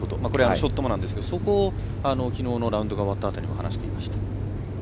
ショットもなんですけどそこをきのうのラウンドが終わったあとに話していました。